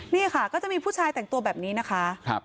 นี่ค่ะก็จะมีผู้ชายแต่งตัวแบบนี้นะคะ